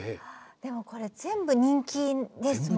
でもこれ全部人気ですもんね。